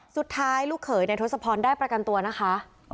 สุดท้ายลูกเขยในทศพรได้ประกันตัวนะคะ